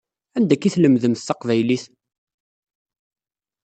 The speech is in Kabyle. Anda akka i tlemdemt taqbaylit?